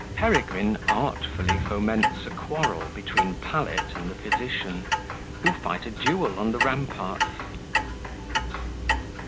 Peregrine artfully foments a Quarrel between Pallet and the Physician, who fight a Duel on the Ramparts.